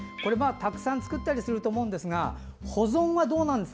たくさん作ったりすると思うんですが保存はどうなんですか？